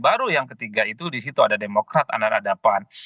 baru yang ketiga itu disitu ada demokrat anadapan